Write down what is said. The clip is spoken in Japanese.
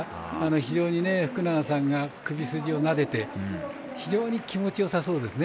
非常に福永さんが首筋をなでて非常に気持ちよさそうですね。